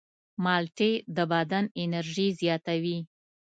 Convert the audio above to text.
مالټې د بدن انرژي زیاتوي.